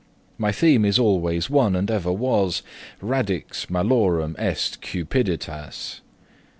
My theme is always one, and ever was; Radix malorum est cupiditas.